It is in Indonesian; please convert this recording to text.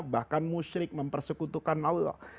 bahkan musyrik mempersekutukan allah